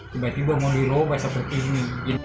tiba tiba mulai roba seperti ini